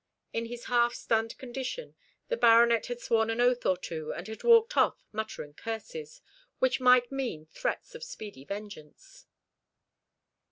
In his half stunned condition the Baronet had sworn an oath or two, and had walked off muttering curses, which might mean threats of speedy vengeance.